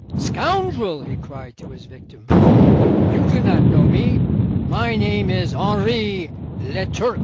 'Scoundrel,' he cried to his victim, 'you do not know me. My name is Henri Leturc.